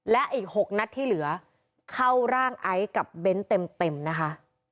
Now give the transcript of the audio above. และอีก๖นัดที่เหลือเข้าร่างไอซ์กับเบ้นเต็มนะคะ